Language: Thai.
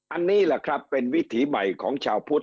อันนี้แหละครับเป็นวิถีใหม่ของชาวพุทธ